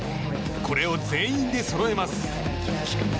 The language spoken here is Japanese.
これを全員でそろえます。